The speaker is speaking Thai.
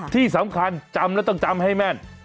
ที่สำคัญจำแล้วต้องจำให้แม่น